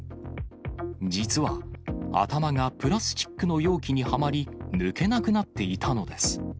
実は、頭がプラスチックの容器にはまり、抜けなくなっていたのです。